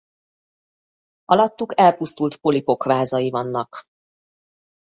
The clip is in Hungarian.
Alattuk elpusztult polipok vázai vannak.